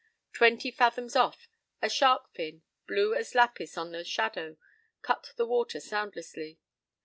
Twenty fathoms off a shark fin, blue as lapis in the shadow, cut the water soundlessly.